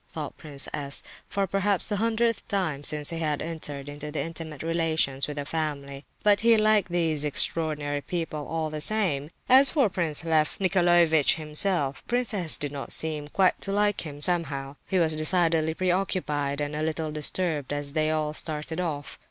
thought Prince S., for perhaps the hundredth time since he had entered into intimate relations with the family; but—he liked these "extraordinary people," all the same. As for Prince Lef Nicolaievitch himself, Prince S. did not seem quite to like him, somehow. He was decidedly preoccupied and a little disturbed as they all started off.